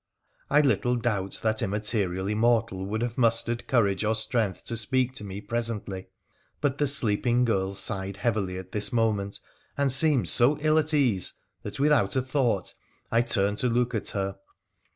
I little doubt that immaterial immortal would have mustered courage or strength to speak to me presently, but the sleeping girl sighed heavily at this moment and seemed so ill at ease that, without a thought, I turned to look at her.